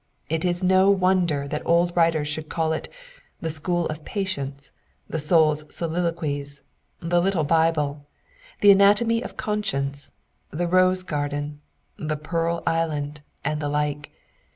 It is no wonder that old writers should call it, — the school of patience, the soul's soliloquies, the little Bible, the anatomy of conscience, the rose garden, the pearl island, and the like.